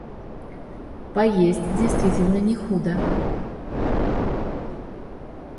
Поесть действительно не худо.